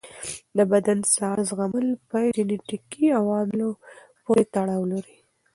د بدن ساړه زغمل په جنیټیکي عواملو پورې تړاو لري.